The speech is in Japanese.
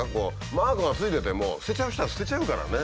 マークがついてても捨てちゃう人は捨てちゃうからね。